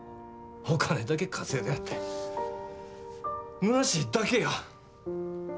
お金だけ稼いだってむなしいだけや。